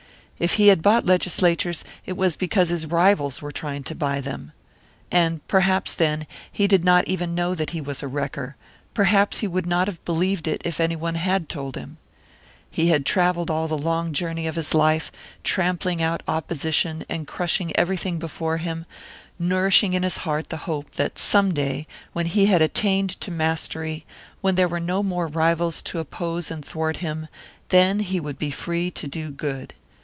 If he had bought legislatures, it was because his rivals were trying to buy them. And perhaps then he did not even know that he was a wrecker; perhaps he would not have believed it if anyone had told him! He had travelled all the long journey of his life, trampling out opposition and crushing everything before him, nourishing in his heart the hope that some day, when he had attained to mastery, when there were no more rivals to oppose and thwart him then he would be free to do good.